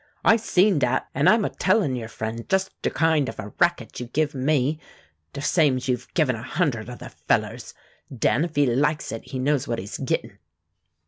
I seen dat, an' I'm a tellin' yer friend just der kind of a racket you give me, der same's you've give a hundred other fellers. Den, if he likes it he knows what he's gittin'."